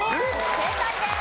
正解です。